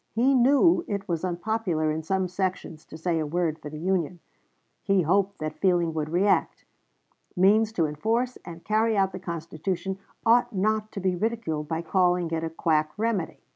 He knew it was unpopular in some sections to say a word for the Union. He hoped that feeling would react. Means to enforce and carry out the Constitution ought not to be ridiculed by calling it a quack remedy.